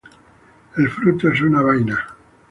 El fruto es una vaina.